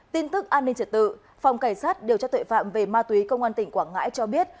tin tức an ninh trật tự phòng cảnh sát điều tra tuệ phạm về ma túy công an tỉnh quảng ngãi cho biết